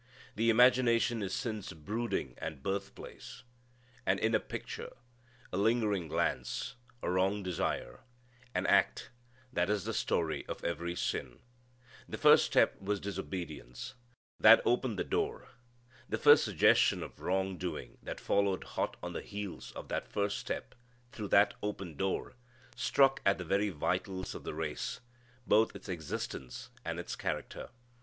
The imagination is sin's brooding and birth place. An inner picture, a lingering glance, a wrong desire, an act that is the story of every sin. The first step was disobedience. That opened the door. The first suggestion of wrong doing that followed hot on the heels of that first step, through that open door, struck at the very vitals of the race both its existence and its character.